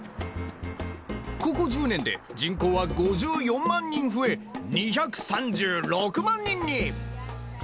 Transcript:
ここ１０年で人口は５４万人増え２３６万人に！